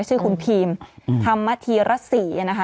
ชื่อคุณพีมธรรมธีรศรีนะคะ